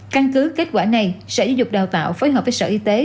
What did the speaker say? căn cứ kết quả này sẽ giúp dục đào tạo phối hợp với sở y tế